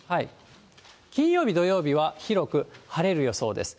金曜日、土曜日は広く晴れる予想です。